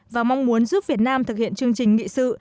và mong muốn giúp việt nam thực hiện chương trình nghị sự